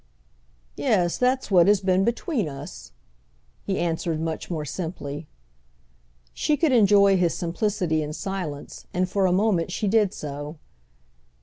"Yes; that's what has been between us," he answered much more simply. She could enjoy his simplicity in silence, and for a moment she did so.